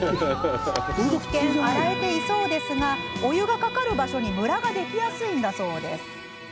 一見、洗えていそうですがお湯がかかる場所にムラができやすいそうです。